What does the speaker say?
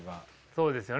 そうですよね。